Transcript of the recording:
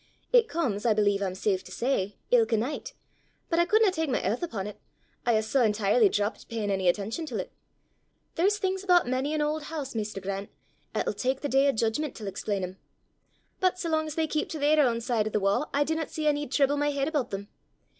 It comes, I believe I'm safe to say, ilka nicht; but I couldna tak my aith upo' 't, I hae sae entirely drappit peyin' ony attention til 't. There's things aboot mony an auld hoose, maister Grant, 'at'll tak the day o' judgment to explain them. But sae lang as they keep to their ain side o' the wa', I dinna see I need trible my heid aboot them.